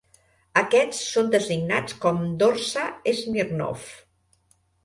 Aquests són designats com Dorsa Smirnov.